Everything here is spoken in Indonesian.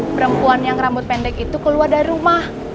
perempuan yang rambut pendek itu keluar dari rumah